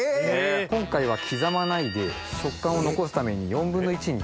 今回は刻まないで食感を残すために４分の１に。